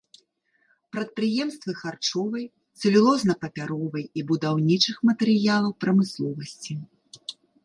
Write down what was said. Прадпрыемствы харчовай, цэлюлозна-папяровай і будаўнічых матэрыялаў прамысловасці.